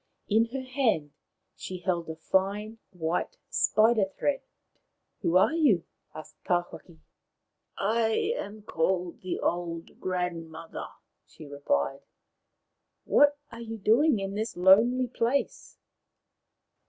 In her hand she held a fine white spider thread. Who are you ?" asked Tawhaki. I am called the Old Grandmother/' she replied. What are you doing in this lonely place